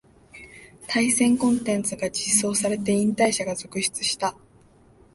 対戦コンテンツが実装されて引退者が続出した